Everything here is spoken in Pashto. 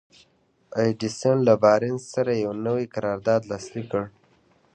ايډېسن له بارنس سره يو نوی قرارداد لاسليک کړ.